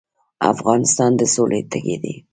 افغانستان د سولې تږی دی